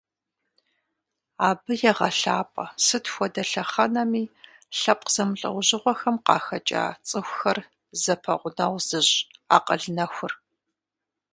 Абы егъэлъапӀэ сыт хуэдэ лъэхъэнэми лъэпкъ зэмылӀэужьыгъуэхэм къахэкӀа цӀыхухэр зэпэгъунэгъу зыщӀ акъыл нэхур.